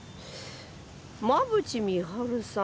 馬渕美晴さん？